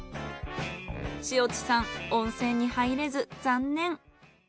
塩地さん温泉に入れず残念。